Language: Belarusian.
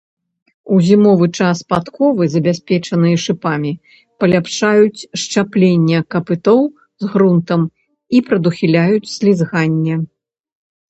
У зімовы час падковы, забяспечаныя шыпамі, паляпшаюць счапленне капытоў з грунтам і прадухіляюць слізгаценне.